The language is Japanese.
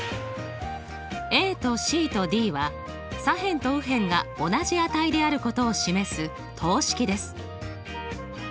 ＡとＣとＤは左辺と右辺が同じ値であることを示す等式です。